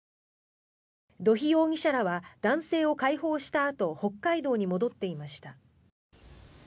土肥容疑者らは男性を解放したあと北海道に戻っていました。